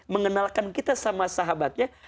mengenalkan kita sama sahabatnya